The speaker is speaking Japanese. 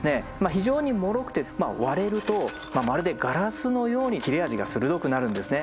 非常にもろくて割れるとまるでガラスのように切れ味が鋭くなるんですね。